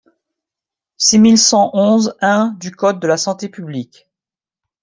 six mille cent onze-un du code de la santé publique.